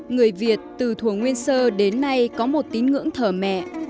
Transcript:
người việt từ thủa nguyên sơ đến nay có một tín ngưỡng thờ mẹ